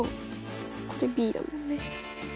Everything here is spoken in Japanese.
これｂだもんね。